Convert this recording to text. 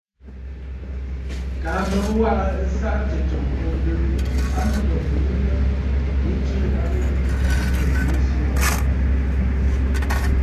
Kaa mbə bɨ waꞌǎ ɨsaꞌa tsɨ̂tsɔ̀ŋ bû ǹnɨŋ a nu bə̀ bìi mə bɨ tswe a mum Kristo Yesu aà.